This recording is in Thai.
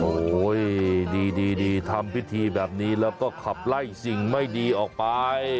โอ้โหดีทำพิธีแบบนี้แล้วก็ขับไล่สิ่งไม่ดีออกไป